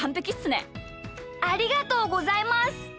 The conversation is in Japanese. ありがとうございます。